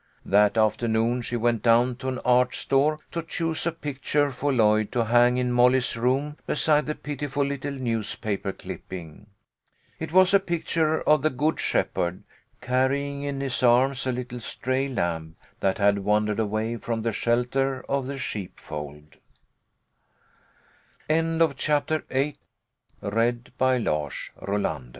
That afternoon she went down to an art store to choose a picture for Lloyd to hang in Molly's room beside the pitiful little newspaper clipping. It was a picture of the Good Shepherd, carrying in his arms a little stray lamb that had wandered away from the shelter of the sheepfo